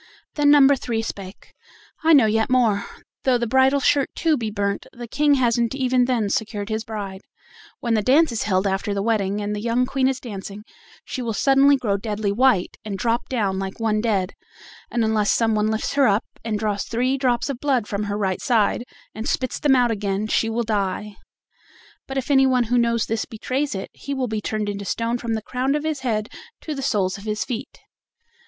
Then number three spake: "I know yet more: though the bridal shirt too be burnt, the King hasn't even then secured his bride: when the dance is held after the wedding, and the young Queen is dancing, she will suddenly grow deadly white, and drop down like one dead, and unless some one lifts her up and draws three drops of blood from her right side, and spits them out again, she will die. But if anyone who knows this betrays it, he will be turned into stone from the crown of his head to the soles of his feet."